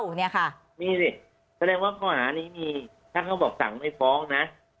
มีสิก็เรียกว่าข้อหานี้มีถ้าเขาบอกสั่งไม่ฟ้องนะ